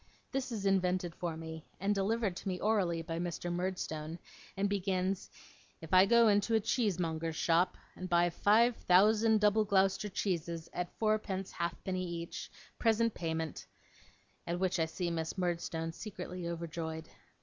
This is invented for me, and delivered to me orally by Mr. Murdstone, and begins, 'If I go into a cheesemonger's shop, and buy five thousand double Gloucester cheeses at fourpence halfpenny each, present payment' at which I see Miss Murdstone secretly overjoyed.